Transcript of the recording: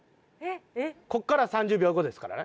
こっから３０秒後ですからね。